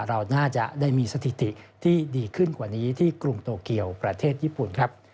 เราน่าจะได้มีสถิติที่ดีขึ้นกว่านี้ที่กรุงโตเกียวประเทศญี่ปุ่นครับ